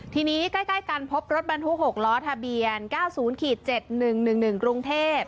ทีนี้ใกล้กันพบรถบรรทุก๖ล้อทะเบียน๙๐๗๑๑๑กรุงเทพ